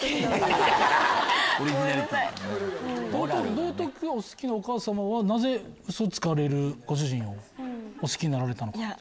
道徳お好きなお母様はなぜウソつかれるご主人をお好きになられたのかな？と。